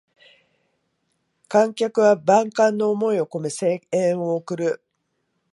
観客は万感の思いをこめ声援を送る